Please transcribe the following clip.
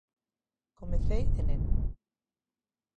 Comecei de neno.